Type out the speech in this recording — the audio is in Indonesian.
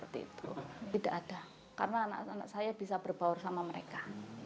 tidak ada karena anak anak saya bisa berbaur sama mereka